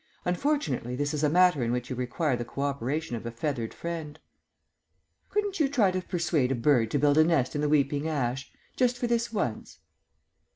Unfortunately this is a matter in which you require the co operation of a feathered friend." "Couldn't you try to persuade a bird to build a nest in the weeping ash? Just for this once?"